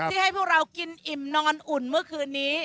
ให้พวกเรากินอิ่มนอนอุ่นเมื่อคืนนี้